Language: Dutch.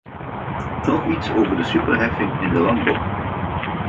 Nog iets over de superheffing in de landbouw.